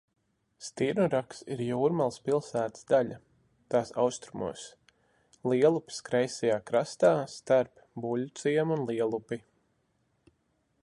Stirnurags ir Jūrmalas pilsētas daļa tās austrumos, Lielupes kreisajā krastā starp Buļļuciemu un Lielupi.